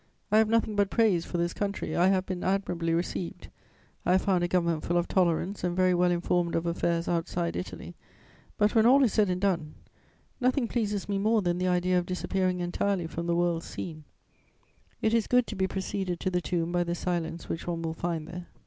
I have nothing but praise for this country; I have been admirably received, I have found a government full of tolerance and very well informed of affairs outside Italy; but, when all is said and done, nothing pleases me more than the idea of disappearing entirely from the world's scene: it is good to be preceded to the tomb by the silence which one will find there.